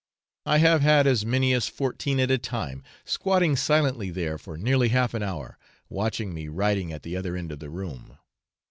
I have had as many as fourteen at a time squatting silently there for nearly half an hour, watching me writing at the other end of the room.